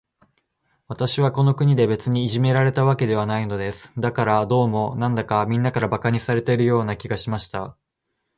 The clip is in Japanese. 私はこの国で、別にいじめられたわけではないのです。だが、どうも、なんだか、みんなから馬鹿にされているような気がしました。